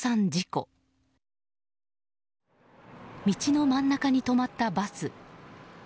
道の真ん中に止まったバス。